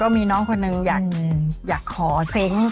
มีน้องคนหนึ่งอยากขอเซ้ง